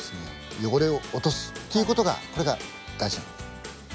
汚れを落とすという事がこれが大事なんです。